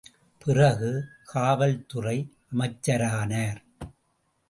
பிறகு, காவல்துறை அமைச்சரானார்.